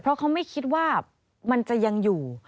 เพราะเขาไม่คิดว่ามันจะยังอยู่